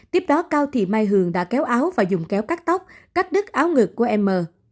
tiếp đó cao thị mai hường đã kéo áo và dùng kéo cắt tóc cắt đứt áo ngực của em mở